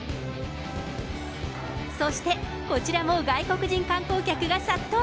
そしてこちらも外国人観光客が殺到。